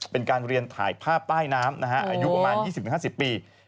เป็นการเรียนถ่ายภาพใต้น้ำนะฮะอายุประมาณ๒๐๕๐ปี